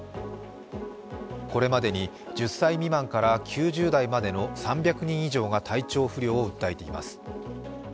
これまでに１０歳未満から９０代までの３００人以上が体調不良を訴えています。